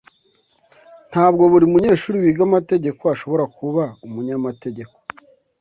Ntabwo buri munyeshuri wiga amategeko ashobora kuba umunyamategeko.